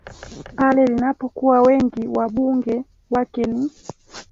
pale linapokuwa wengi wa wabunge wake ni